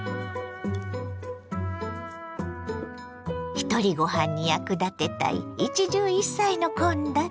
ひとりごはんに役立てたい一汁一菜の献立。